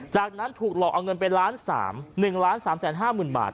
จากนั้นถูกหลอกเอาเงินไป๑๓๕๐๐๐บาท